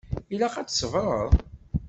Ilaq ad tṣebreḍ?